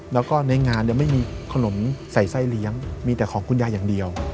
แล้วก็ในงานไม่มีขนมใส่ไส้เลี้ยงมีแต่ของคุณยายอย่างเดียว